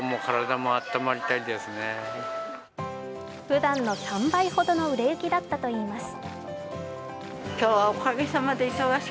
ふだんの３倍ほどの売れ行きだったといいます。